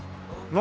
何？